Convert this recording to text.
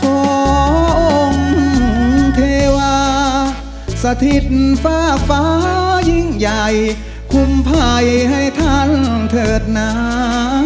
องค์เทวาสถิตฟากฟ้ายิ่งใหญ่คุมภัยให้ท่านเถิดหนา